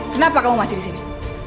kenapa kamu masih di sini